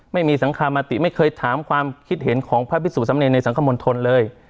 ไม่มีสังคมติไม่เคยถามความคิดเห็นของพระพิสุสำเนรในสังคมณฑลเลย